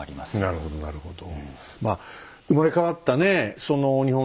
なるほどなるほど。